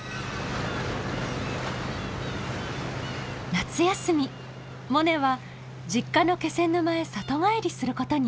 夏休みモネは実家の気仙沼へ里帰りすることに。